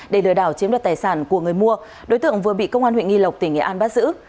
để lừa đảo chiếm đoạt tài sản của người mua đối tượng vừa bị công an huyện nghi lộc tỉnh nghệ an bắt giữ